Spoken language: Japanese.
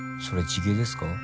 それ地毛ですか？